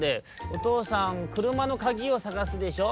「おとうさんくるまのかぎをさがすでしょ」。